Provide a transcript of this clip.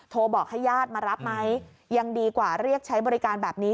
บอกให้ญาติมารับไหมยังดีกว่าเรียกใช้บริการแบบนี้